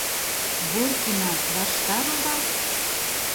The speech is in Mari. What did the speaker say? Горкина, Ваштарова?